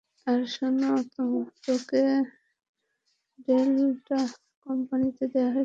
আর শোন, তোকে ডেল্টা কোম্পানিতে দেওয়া হয়েছে।